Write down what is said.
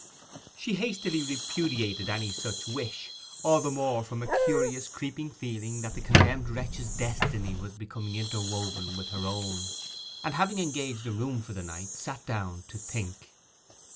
She hastily repudiated any such wish, all the more from a curious creeping feeling that the condemned wretch's destiny was becoming interwoven with her own; and having engaged a room for the night, sat down to think.